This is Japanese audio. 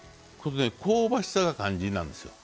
香ばしさが肝心なんですよ。